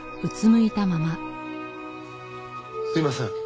すいません